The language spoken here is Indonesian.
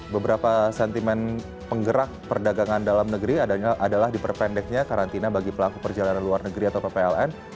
beberapa sentimen penggerak perdagangan dalam negeri adalah diperpendeknya karantina bagi pelaku perjalanan luar negeri atau ppln